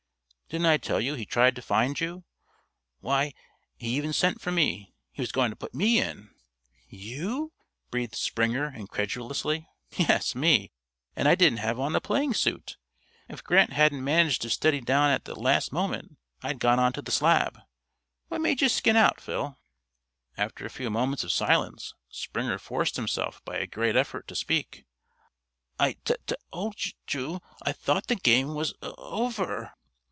"Didn't I tell you he tried to find you! Why, he even sent for me; he was going to put me in." "You?" breathed Springer incredulously. "Yes, me; and I didn't have on a playing suit. If Grant hadn't managed to steady down at the last moment, I'd gone onto the slab. What made you skin out, Phil?" After a few moments of silence, Springer forced himself by a great effort to speak: "I tut told you I thought the game was o over."